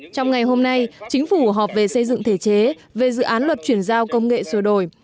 trong ngày hôm nay chính phủ họp về xây dựng thể chế về dự án luật chuyển giao công nghệ sửa đổi